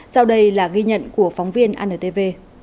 sau đây là ghi nhận của phóng viên antv